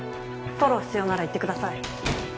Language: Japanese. フォロー必要なら言ってください。